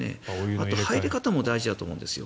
あと入り方も大事だと思うんです。